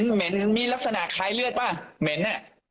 เหม็นมีลักษณะคล้ายเลือดป่ะเหม็น